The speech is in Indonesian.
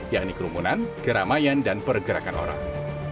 yakni kerumunan keramaian dan pergerakan orang